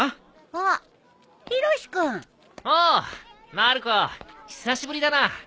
まる子久しぶりだな。